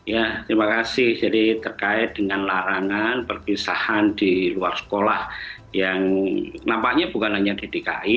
ya terima kasih jadi terkait dengan larangan perpisahan di luar sekolah yang nampaknya bukan hanya di dki